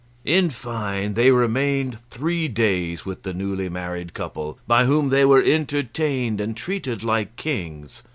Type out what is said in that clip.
In fine, they remained three days with the newly married couple, by whom they were entertained and treated like kings.